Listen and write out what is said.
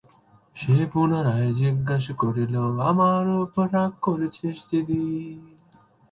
সে পুনরায় জিজ্ঞাসা করিল-আমার উপর রাগ করেছিস দিদি?